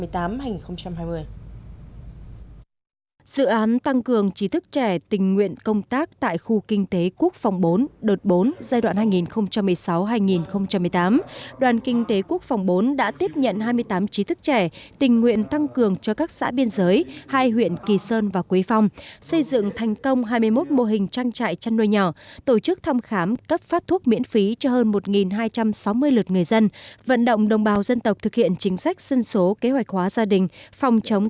dự án tăng cường trí thức trẻ tình nguyện công tác tại khu kinh tế quốc phòng bốn đợt bốn giai đoạn hai nghìn một mươi sáu hai nghìn một mươi tám đoàn kinh tế quốc phòng bốn đã tiếp nhận hai mươi tám trí thức trẻ tình nguyện tăng cường cho các xã biên giới hai huyện kỳ sơn và quế phong xây dựng thành công hai mươi một mô hình trang trại chăn nuôi nhỏ tổ chức thăm khám cấp phát thuốc miễn phí cho hơn một hai trăm sáu mươi lượt người dân vận động đồng bào dân tộc thực hiện chính sách xân số kế hoạch hóa gia đình phòng trọng